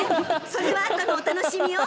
それは後のお楽しみよ。